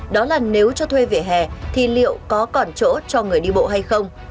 đó là nếu cho thuê về hè thì liệu có còn chỗ cho người đi bộ hay không